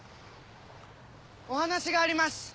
お話があります。